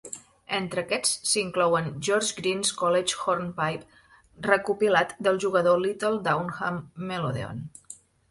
Entre aquests s'inclouen "George Green's College Hornpipe", recopilat del jugador Little Downham Melodeon.